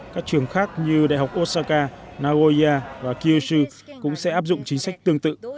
các trường khác như đại học osaka nagoya và kiyesh cũng sẽ áp dụng chính sách tương tự